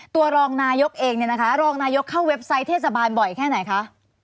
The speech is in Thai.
รองนายกเองเนี่ยนะคะรองนายกเข้าเว็บไซต์เทศบาลบ่อยแค่ไหนคะ